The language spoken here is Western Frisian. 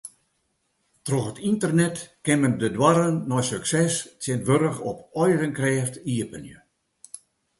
Troch it ynternet kin men de doarren nei sukses tsjintwurdich op eigen krêft iepenje.